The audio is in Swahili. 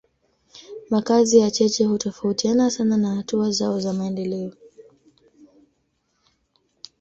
Makazi ya cheche hutofautiana sana na hatua zao za maendeleo.